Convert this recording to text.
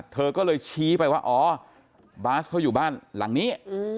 เธอก็เลยชี้ไปว่าอ๋อบาสเขาอยู่บ้านหลังนี้